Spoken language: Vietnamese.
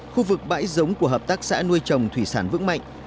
khu vực bãi giống của hợp tác xã nuôi trồng thủy sản vững mạnh